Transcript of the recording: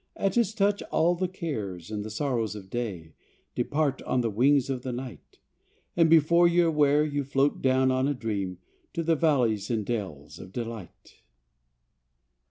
At his touch all the cares And the sorrows of day Depart on the wings of the night, And before you're aware You float down on a dream To the valleys and dales of delight.